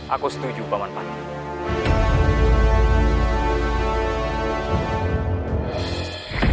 aku setuju paman pantai